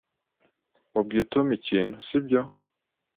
Wabwiye Tom ikintu, sibyo?